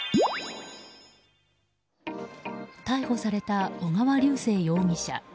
逮捕された小川龍生容疑者。